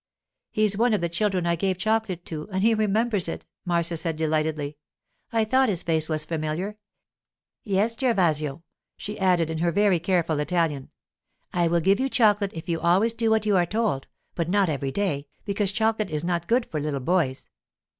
'He's one of the children I gave chocolate to, and he remembers it!' Marcia said delightedly. 'I thought his face was familiar. Yes, Gervasio,' she added in her very careful Italian. 'I will give you chocolate if you always do what you are told, but not every day, because chocolate is not good for little boys.